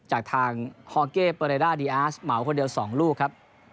จากทางฮอร์เก้เปอร์เรด้าดีอาร์สเหมาคนเดียว๒ลูกครับ